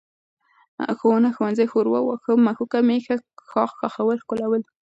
ښوونه، ښوونځی، ښوروا، واښه، مښوکه، مېښه، ښاخ، ښخول، ښکلول